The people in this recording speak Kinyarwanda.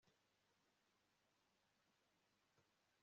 kazitunga yasabye pasiporo ariko aranga